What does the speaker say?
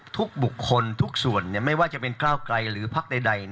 ทุกบุคคลทุกส่วนไม่ว่าจะเป็นก้าวไกลหรือพักใด